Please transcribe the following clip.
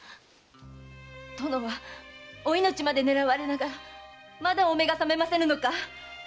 殿はお命まで狙われながらまだお目が覚めませぬのか？